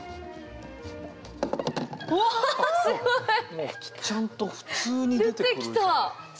もうちゃんと普通に出てくるじゃん。